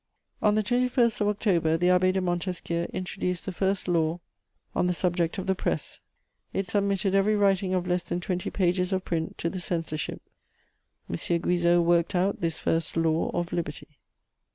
On the 21st of October, the Abbé de Montesquiou introduced the first law on the subject of the press; it submitted every writing of less than twenty pages of print to the censorship: M. Guizot worked out this first law of liberty.